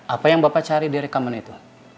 apa yang bapak cari di rekaman itu